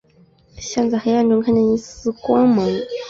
像在黑暗中看见一线光芒